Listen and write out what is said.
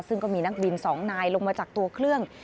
ซึ่งก็มีนักบิน๒นายลงมาจากตัวเครื่อง